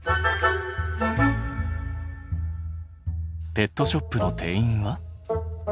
ペットショップの店員は？